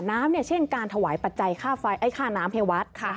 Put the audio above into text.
น้ำเช่นการถวายปัจจัยค่าน้ำให้วัด